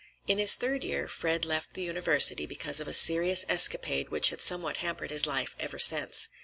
In his third year Fred left the university because of a serious escapade which had somewhat hampered his life ever since.